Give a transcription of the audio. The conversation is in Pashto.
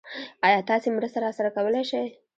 ايا تاسې مرسته راسره کولی شئ؟